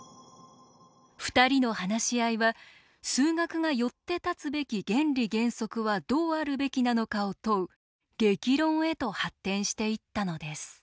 ２人の話し合いは数学がよって立つべき原理原則はどうあるべきなのかを問う激論へと発展していったのです。